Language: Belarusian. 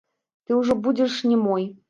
Ты ўжо будзеш не мой.